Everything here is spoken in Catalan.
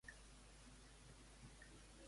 Què hi ha en honor seu?